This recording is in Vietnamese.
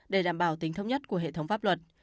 để đảm bảo tính thông nhất của hệ thống pháp luật